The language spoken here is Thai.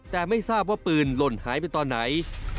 แต่ไม่ทราบว่าปืนหล่นหายไปตอนไหน